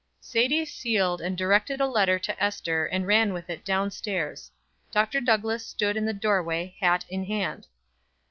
Sadie sealed and directed a letter to Ester and ran with it down stairs. Dr. Douglass stood in the doorway, hat in hand.